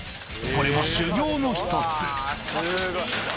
これも修行の一つ。